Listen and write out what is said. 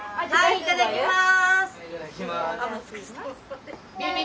いただきます。